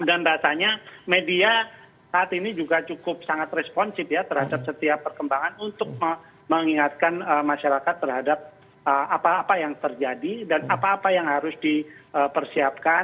dan rasanya media saat ini juga cukup sangat responsif ya terhadap setiap perkembangan untuk mengingatkan masyarakat terhadap apa apa yang terjadi dan apa apa yang harus dipersiapkan